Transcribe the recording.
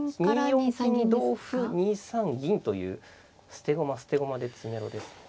２四金同歩２三銀という捨て駒捨て駒で詰めろですね。